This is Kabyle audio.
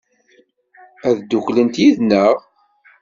Ad dduklent yid-neɣ?